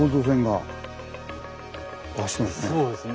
そうですね。